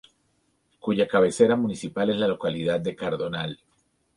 Cuya cabecera municipal es la localidad de Cardonal.